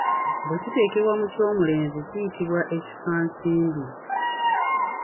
Bwe kiteekebwa mu ky’omulenzi kiyitibwa Ekifansimbi.